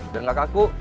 biar gak kaku